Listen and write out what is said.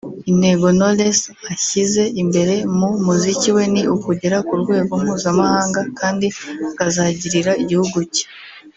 Intego Knowless ashyize imbere mu muziki we ni ukugera ku rwego mpuzamahanga kandi akazagirira igihugu cye